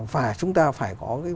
và chúng ta phải có cái